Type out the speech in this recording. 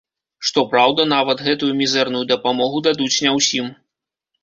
Што праўда, нават гэтую мізэрную дапамогу дадуць не ўсім.